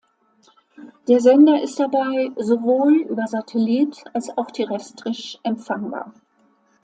Der Sender ist dabei sowohl über Satellit als auch terrestrisch empfangbar.